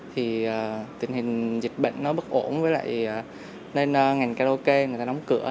thì tình hình dịch bệnh nó bất ổn với lại nên ngành karaoke người ta đóng cửa